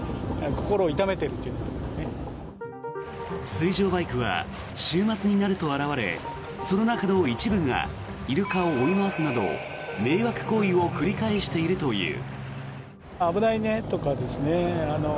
水上バイクは週末になると現れその中の一部がイルカを追い回すなど迷惑行為を繰り返しているという。